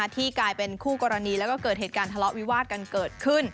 ที่กลายเป็นคู่กรณีแล้วก็เกิดเหตุการณ์ทะเลาะวิวาดกันเกิดขึ้น